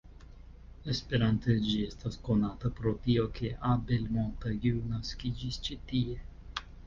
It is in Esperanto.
Esperante, ĝi estas konata pro tio, ke Abel Montagut naskiĝis ĉi tie.